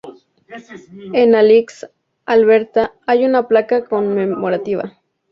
En Alix, Alberta, hay una placa conmemorativa.